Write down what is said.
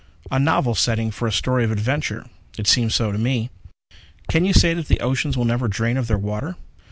_ _A novel setting for a story of adventure. It seems so to me. Can you say that the oceans will never drain of their water?